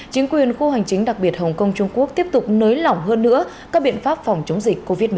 chính quyền khu hành chính đặc biệt hồng kông trung quốc tiếp tục nới lỏng hơn nữa các biện pháp phòng chống dịch covid một mươi chín